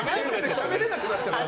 しゃべれなくなっちゃってる。